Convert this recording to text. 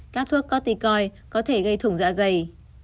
các thuốc corticoid có thể gây thủng dạ dày